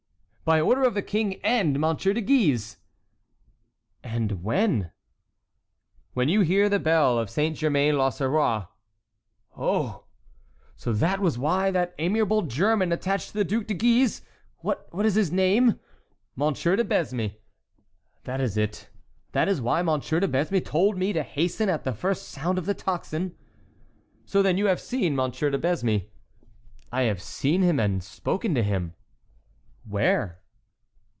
"By order of the King and Monsieur de Guise." "And when?" "When you hear the bell of Saint Germain l'Auxerrois." "Oh! so that was why that amiable German attached to the Duc de Guise—what is his name?" "Monsieur de Besme." "That is it. That is why Monsieur de Besme told me to hasten at the first sound of the tocsin." "So then you have seen Monsieur de Besme?" "I have seen him and spoken to him." "Where?"